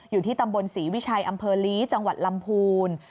อยู่ที่ตำบลศรีวิชัยอำเภอลีจังหวัดลำพูน